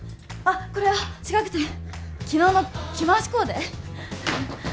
あっこれは違くて昨日の着回しコーデ？